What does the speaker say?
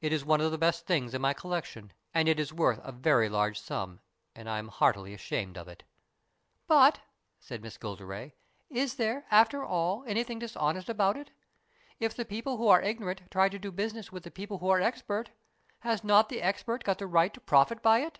It is one of the best things in my collection and it is worth a very large sum, and I am heartily ashamed of it." " But," said Miss Gilderay, " is there, after all, any thing dishonest about it? If the people who are ignorant try to do business with the people who are expert, has not the expert got the right to profit by it?"